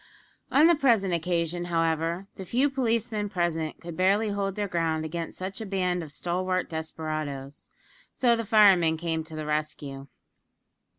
On the present occasion, however, the few policemen present could barely hold their ground against such a band of stalwart desperadoes, so the firemen came to the rescue.